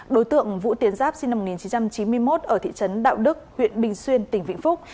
đối tượng vũ tiến giáp sinh năm một nghìn chín trăm chín mươi một ở thị trấn đạo đức huyện bình xuyên tỉnh vĩnh phúc